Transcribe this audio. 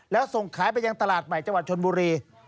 แล้วส่งขายไปยังตลาดใหม่จังหวัดชนบุรี